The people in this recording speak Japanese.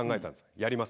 やります？